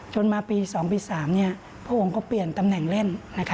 มาปี๒ปี๓พระองค์ก็เปลี่ยนตำแหน่งเล่น